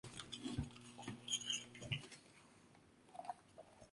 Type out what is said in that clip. Último single de My Song Your Song.